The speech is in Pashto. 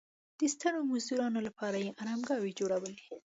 د ستړو مزدورانو لپاره یې ارامګاوې جوړولې.